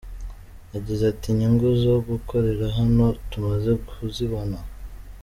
Yagize ati “Inyungu zo gukorera hano tumaze kuzibona.